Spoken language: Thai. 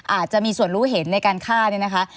อาจจะมีส่วนรู้เห็นในการฆ่าเนี่ยนะคะ